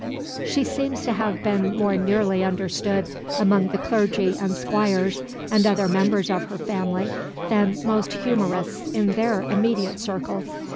She seems to have been more nearly understood among the clergy and squires, and other members of her family, than most humourists in their immediate circles.